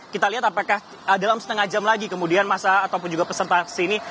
kita lihat apakah dalam setengah jam lagi kemudian masa ataupun juga peserta aksi ini